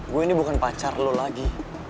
gue ini bukan pacar lu lagi